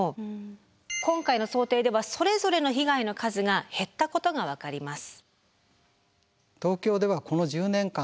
今回の想定ではそれぞれの被害の数が減ったことが分かります。